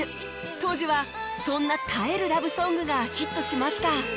当時はそんな耐えるラブソングがヒットしました